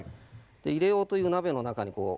で入れようという鍋の中にこう。